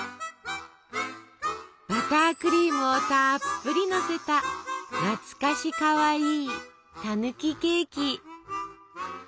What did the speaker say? バタークリームをたっぷりのせた懐かしかわいい「たぬきケーキ」。